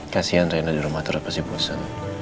kasian rena di rumah itu udah pasti bosan